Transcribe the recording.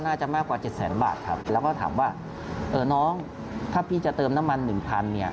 น่าจะมากกว่าเจ็ดแสนบาทครับแล้วก็ถามว่าเออน้องถ้าพี่จะเติมน้ำมันหนึ่งพันเนี่ย